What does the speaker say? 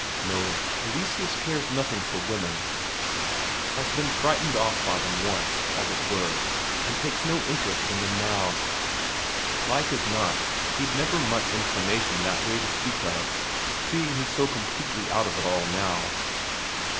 No, Eleseus cares nothing for women; has been frightened off by them once, as it were, and takes no interest in them now. Like as not he'd never much inclination that way to speak of, seeing he's so completely out of it all now.